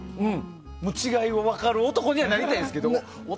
違いが分かる男にはなりたいですけど。